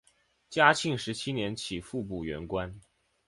嘉庆十七年起复补原官。